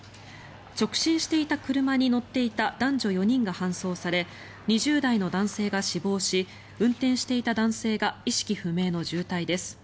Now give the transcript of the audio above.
直進していた車に乗っていた男女４人が搬送され２０代の男性が死亡し運転していた男性が意識不明の重体です。